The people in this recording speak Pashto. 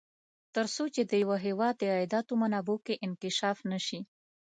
تر څو چې د یوه هېواد د عایداتو منابعو کې انکشاف نه شي.